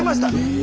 え。